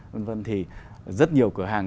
vân vân thì rất nhiều cửa hàng